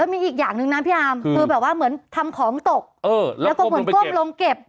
มีอีกอย่างหนึ่งนะพี่อาร์มคือแบบว่าเหมือนทำของตกแล้วก็เหมือนก้มลงเก็บ